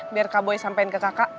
biar kak boy sampaikan ke kakak